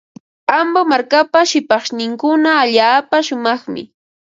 Ambo markapa shipashninkuna allaapa shumaqmi.